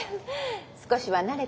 少しは慣れた？